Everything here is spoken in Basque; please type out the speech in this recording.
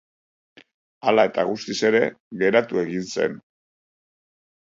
Hala eta guztiz ere, geratu egin zen.